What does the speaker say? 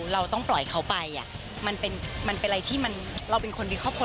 เราต้องปล่อยเขาไปมันเป็นอะไรที่เราเป็นคนดีครอบครัว